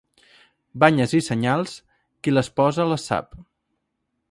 Banyes i senyals, qui les posa les sap.